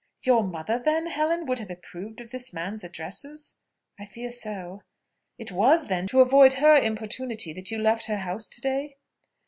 "Your mother, then, Helen, would have approved of this man's addresses?" "I fear so." "It was, then, to avoid her importunity that you left her house to day?"